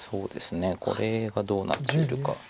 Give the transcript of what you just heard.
これがどうなっているか。